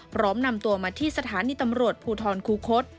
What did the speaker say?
พร้อมนำตัวมาที่สถานีตำรวจภูทรคูคศ